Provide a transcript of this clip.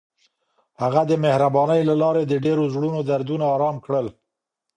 هغې د مهربانۍ له لارې د ډېرو زړونو دردونه ارام کړل.